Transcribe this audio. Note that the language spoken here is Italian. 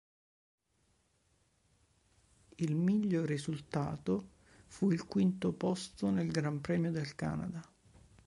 Il miglio risultato fu il quinto posto nel Gran Premio del Canada.